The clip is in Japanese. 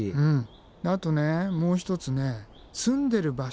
あとねもう一つ住んでる場所。